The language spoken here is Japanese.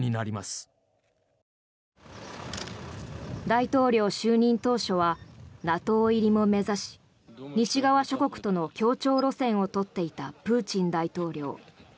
大統領就任当初はＮＡＴＯ入りも目指し西側諸国との協調路線を取っていたプーチン大統領。